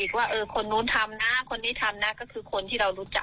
ว่าเออคนนู้นทำนะคนนี้ทำนะก็คือคนที่เรารู้จัก